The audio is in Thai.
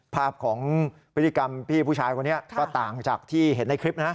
ภาพของพฤติกรรมพี่ผู้ชายคนนี้ก็ต่างจากที่เห็นในคลิปนะ